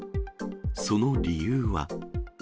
その理由は。